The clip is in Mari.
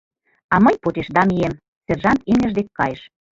А мый почешда мием, — сержант имньыж дек кайыш.